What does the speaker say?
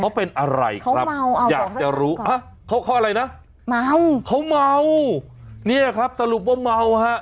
เขาเป็นอะไรครับอยากจะรู้อ่ะเขาเขาอะไรนะเมาเขาเมาเนี่ยครับสรุปว่าเมาฮะ